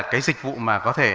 cái dịch vụ mà có thể